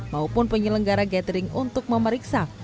maupun penyelenggara gathering untuk memeriksa